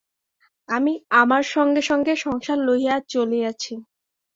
আমি আমার সঙ্গে সঙ্গে সংসার লইয়া চলিয়াছি।